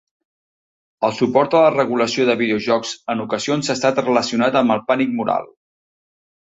El suport a la regulació de videojocs en ocasions ha estat relacionat amb el pànic moral.